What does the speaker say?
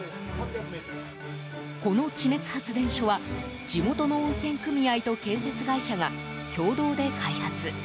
この地熱発電所は地元の温泉組合と建設会社が共同で開発。